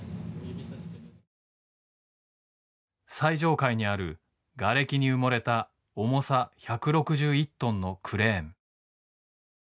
最上階にあるがれきに埋もれた重さ１６１トンのクレーン。